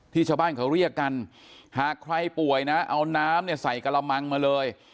ชาวบ้านเขาเรียกกันหากใครป่วยนะเอาน้ำเนี่ยใส่กระมังมาเลย